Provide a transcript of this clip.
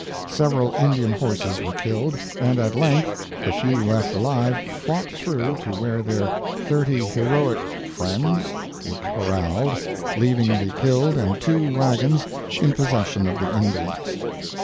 Several Indian horses were killed, and at length the few left alive fought through to where their thirty heroic friends (?) were corraled, leaving the killed and two wagons in possession of the Indians.